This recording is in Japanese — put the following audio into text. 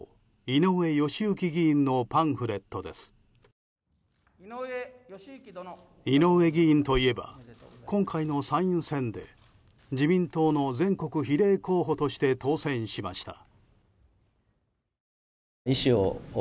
井上議員といえば今回の参院選で自民党の全国比例候補として当選しました。